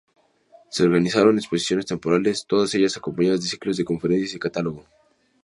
Se organizaron exposiciones temporales, todas ellas acompañadas de ciclos de conferencias y catálogo.